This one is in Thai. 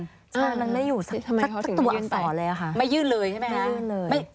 ใช่มันไม่อยู่สักตัวอันตรอเลยอะคะไม่ยื่นเลยใช่ไหมคะไม่ยื่นเลย